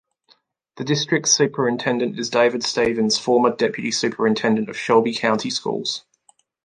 The district's superintendent is David Stephens, former deputy superintendent of Shelby County Schools.